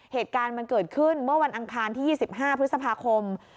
เหตุการณ์มันเกิดขึ้นเมื่อวันอังคารที่๒๕พฤษภาคม